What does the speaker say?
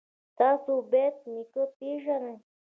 تاسو بېټ نیکه پيژنئ.